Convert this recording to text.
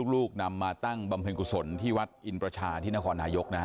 นำมาตั้งบำเพ็ญกุศลที่วัดอินประชาที่นครนายกนะฮะ